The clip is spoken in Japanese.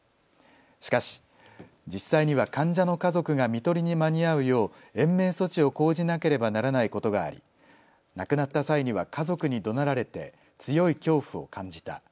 しかし実際には患者の家族がみとりに間に合うよう延命措置を講じなければならないことがあり亡くなった際には家族にどなられて強い恐怖を感じた。